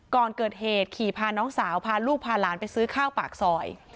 ก่อนเกิดเหตุขี่พาน้องสาวพาลูกพาหลานไปซื้อข้าวปากซอย